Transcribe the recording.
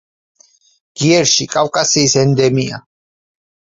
გიეში კავკასიის ენდემია.